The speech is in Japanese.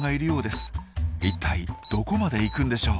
一体どこまで行くんでしょう？